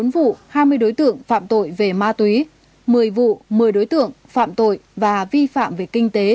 một mươi vụ hai mươi đối tượng phạm tội về ma túy một mươi vụ một mươi đối tượng phạm tội và vi phạm về kinh tế